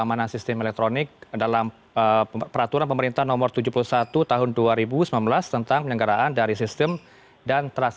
kriteria kriteria yang namanya